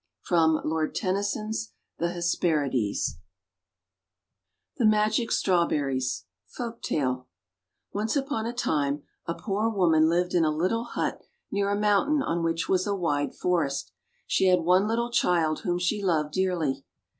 From LORD TENNYSON'S The Hesperides THE MAGIC STRAWBERRIES Folktale ONCE upon a time, a poor woman lived in a little hut near a mountain on which was a wide forest. She had one little child whom she loved dearly.